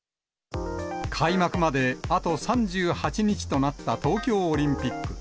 開幕まで、あと３８日となった東京オリンピック。